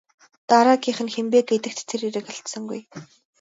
Дараагийнх нь хэн бэ гэдэгт тэр эргэлзсэнгүй.